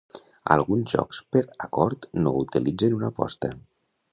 Alguns jocs per acord no utilitzen una aposta.